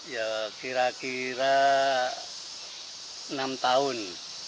ya kira kira enam tahun